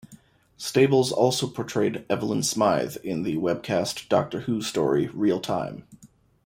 Stables also portrayed Evelyn Smythe in the webcast "Doctor Who" story "Real Time".